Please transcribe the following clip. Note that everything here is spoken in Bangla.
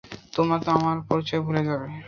তোমরা আমার পরিচয় ভুলে যাবে।